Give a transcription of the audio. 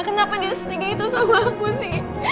kenapa dia setinggi itu sama aku sih